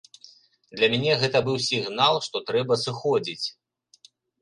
Для мяне гэта быў сігнал, што трэба сыходзіць.